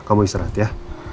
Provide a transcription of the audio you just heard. kamu istirahat ya